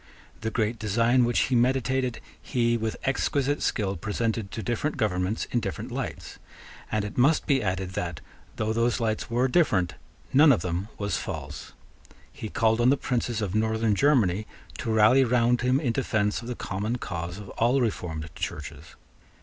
The great design which he meditated, he with exquisite skill presented to different governments in different lights; and it must be added that, though those lights were different, none of them was false. He called on the princes of Northern Germany to rally round him in defence of the common cause of all reformed Churches.